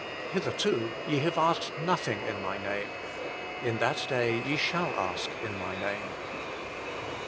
Hitherto ye have asked nothing in My name. In that day ye shall ask in My name."